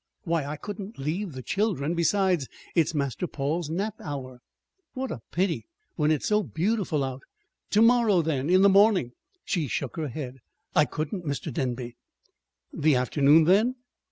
"Why, I couldn't leave the children; besides it's Master Paul's nap hour." "What a pity when it's so beautiful out! To morrow, then, in the morning?" She shook her head. "I couldn't, Mr. Denby." "The afternoon, then?"